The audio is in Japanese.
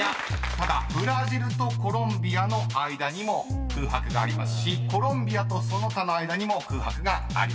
［ただ「ブラジル」と「コロンビア」の間にも空白がありますし「コロンビア」とその他の間にも空白があります］